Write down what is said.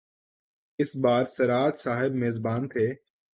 اس بار سراج صاحب میزبان تھے۔